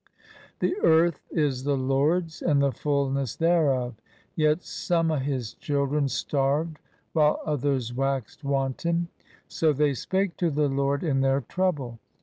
' The earth is the Lard's and the fulness thereof!' Yet some o' His children starved while others waxed wanton. ' So they spake to the Lord in their trouble.'